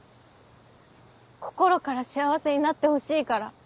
心から幸せになってほしいから。